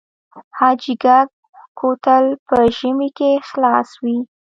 حاجي ګک کوتل په ژمي کې خلاص وي؟